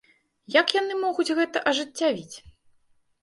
Як яны могуць гэта ажыццявіць?